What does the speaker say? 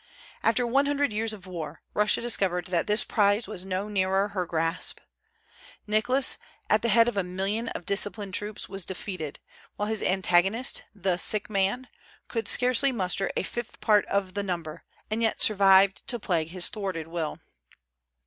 After one hundred years of war, Russia discovered that this prize was no nearer her grasp. Nicholas, at the head of a million of disciplined troops, was defeated; while his antagonist, the "sick man," could scarcely muster a fifth part of the number, and yet survived to plague his thwarted will.